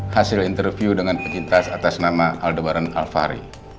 hasil interview dengan pekintas atas nama aldebaran alfari